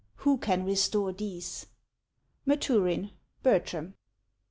Who can restore these ?— MATURIX: Bertram.